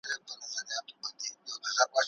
آیا د استاد پسرلي په شعرونو کې د بېوزلو غږ اورئ؟